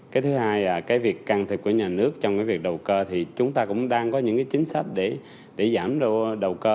cái thứ hai là cái việc căng thịp của nhà nước trong cái việc đầu cơ thì chúng ta cũng đang có những chính sách để giảm đầu cơ